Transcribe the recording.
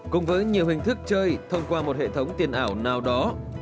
cùng với nhiều hình thức chơi thông qua một hệ thống tiền ảo nào đó